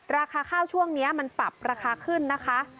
ราคาข้าวช่วงนี้มันปรับราคาขึ้นนะคะ